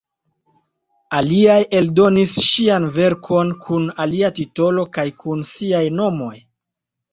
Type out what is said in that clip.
Aliaj eldonis ŝian verkon kun alia titolo kaj kun siaj nomoj.